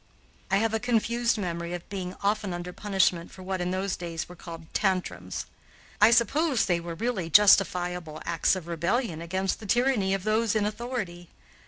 I have a confused memory of being often under punishment for what, in those days, were called "tantrums." I suppose they were really justifiable acts of rebellion against the tyranny of those in authority.